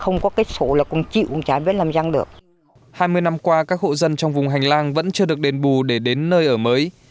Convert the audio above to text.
hai mươi năm qua các hộ dân trong vùng hành lang vẫn chưa được đền bù để đến nơi ở mới